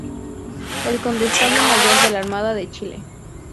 El Condestable Mayor de la Armada de Chile.